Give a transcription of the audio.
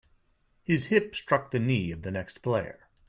His hip struck the knee of the next player.